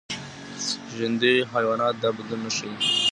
ژوندي حیوانات دا بدلون نه ښيي.